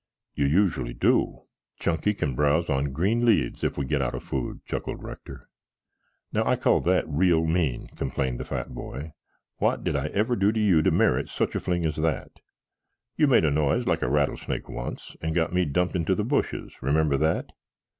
"You usually do." "Chunky can browse on green leaves if we get out of food," chuckled Rector. "Now, I call that real mean," complained the fat boy. "What did I ever do to you to merit such a fling as that?" "You made a noise like a rattlesnake once and got me dumped into the bushes. Remember that?"